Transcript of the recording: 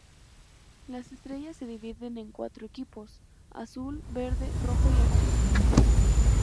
Las estrellas se dividen en cuatro equipos: azul, verde, rojo y amarillo.